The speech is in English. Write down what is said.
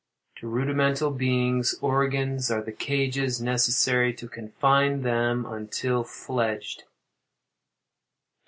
To rudimental beings, organs are the cages necessary to confine them until fledged.